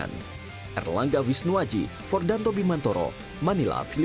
menit akhir pertandingan